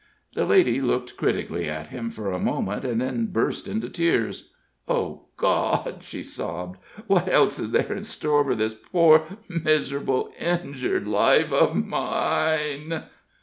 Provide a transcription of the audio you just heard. The lady looked critically at him for a moment, and then burst into tears. "Oh, God!" she sobbed, "what else is there in store for this poor, miserable, injured life of mine?"